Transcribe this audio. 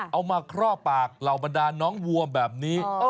เอามาข้อปากเหล่าบันดาลน้องหัวแบบนี้